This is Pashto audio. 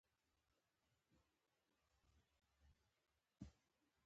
ځواني مي ستا د نن سبا وعدو ته وزوکلېده